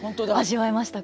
味わえましたか？